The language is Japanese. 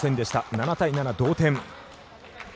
７対７、同点。